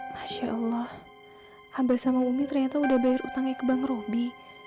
masya allah hampir sama umi ternyata udah bayar utangnya ke bank robi